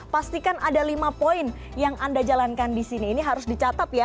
pastikan ada lima poin yang anda jalankan di sini ini harus dicatat ya